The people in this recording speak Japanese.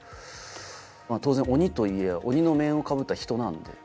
当然鬼とはいえ鬼の面をかぶった人なんで。